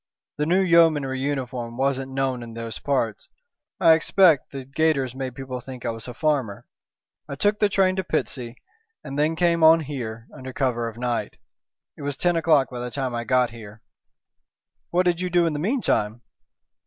"The new Yeomanry uniform wasn't known in those parts. I expect the gaiters made people think I was a farmer. I took the train to Pitsea, and then came on here under cover of night. It was ten o'clock by the time I got here." "What did you do in the meantime?"